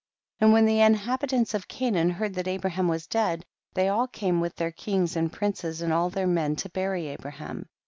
30. And when the inhabitants of Canaan heard that Abraham was dead, they all came with their kings and princes and all their men to bury Abraham.